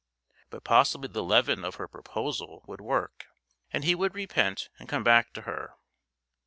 But possibly the leaven of her proposal would work, and he would repent and come back to her.